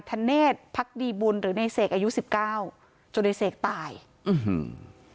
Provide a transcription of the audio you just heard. ธเนธพักดีบุญหรือในเสกอายุสิบเก้าจนในเสกตายอื้อหือ